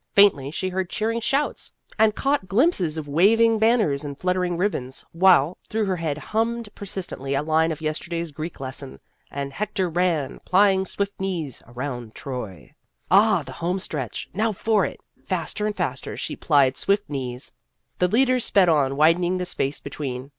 Faintly she heard cheering shouts, and caught glimpses of waving banners and fluttering ribbons, while through her head hummed persistently a line of yesterday's Greek lesson, " And Hec tor ran, plying swift knees, around Troy." Ah, the home stretch ! Now for it ! Faster and faster she plied swift knees. The leader sped on, widening the space between.